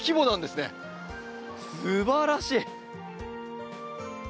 すばらしい！